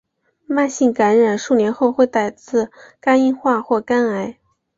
慢性感染数年后会导致肝硬化或肝癌。